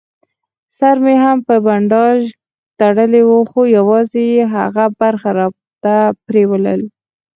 سر مې هم په بنداژ تړلی و، خو یوازې یې هغه برخه راته پرېولل.